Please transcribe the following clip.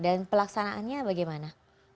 dan pelaksanaannya bagaimana